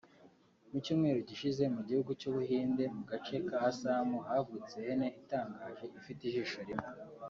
Mu cyumweru gishize mu gihugu cy’u Buhinde mu gace ka Assam havutse ihene itangaje ifite ijisho rimwe